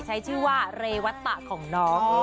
ใช้ชื่อว่าเรวัตตะของน้อง